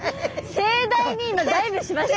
盛大にダイブしました。